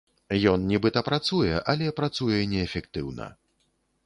Ён нібыта працуе, але працуе неэфектыўна.